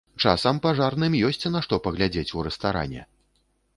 Часам пажарным ёсць на што паглядзець у рэстаране!